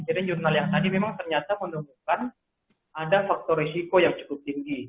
jadi jurnal yang tadi memang ternyata menunjukkan ada faktor risiko yang cukup tinggi